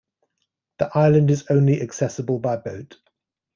The island is only accessible by boat.